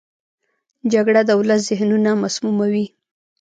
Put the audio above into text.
جګړه د ولس ذهنونه مسموموي